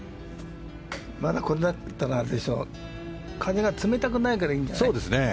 まだこれだったら、風が冷たくないからいいんじゃない。